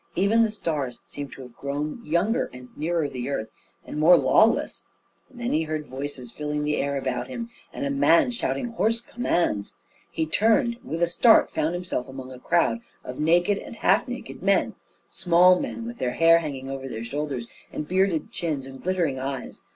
Even the stars seemed to have grown younger, and nearer the earth, and more lawless; and then he heard voices filling the air about him, and a man shouting hoarse commands. He turned with a start and found himself among a crowd of naked and half naked men small men, with hair hanging over their shoulders, and bearded chins, and glittering eyes.